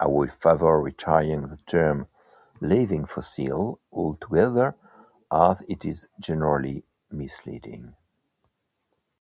I would favor retiring the term 'living fossil' altogether, as it is generally misleading.